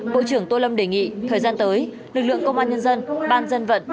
bộ trưởng tô lâm đề nghị thời gian tới lực lượng công an nhân dân ban dân vận